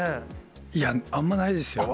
いや、あんまないですよ。